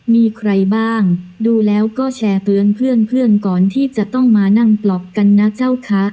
มีใครบ้างดูแล้วก็แชร์เตือนเพื่อนก่อนที่จะต้องมานั่งปลอบกันนะเจ้าคะ